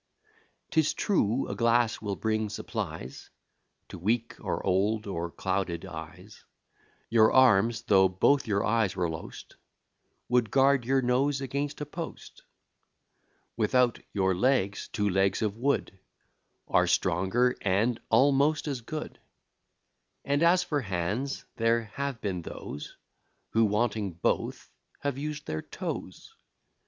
'Tis true, a glass will bring supplies To weak, or old, or clouded eyes: Your arms, though both your eyes were lost, Would guard your nose against a post: Without your legs, two legs of wood Are stronger, and almost as good: And as for hands, there have been those Who, wanting both, have used their toes.